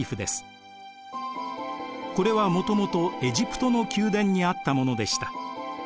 これはもともとエジプトの宮殿にあったものでした。